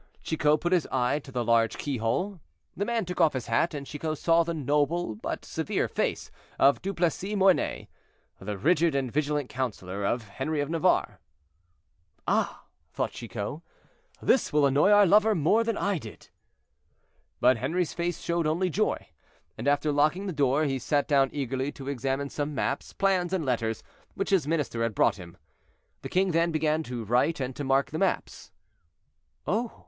Chicot put his eye to the large keyhole. The man took off his hat, and Chicot saw the noble but severe face of Duplessis Mornay, the rigid and vigilant counselor of Henri of Navarre. "Ah!" thought Chicot, "this will annoy our lover more than I did." But Henri's face showed only joy; and after locking the door, he sat down eagerly to examine some maps, plans, and letters, which his minister had brought him. The king then began to write and to mark the maps. "Oh!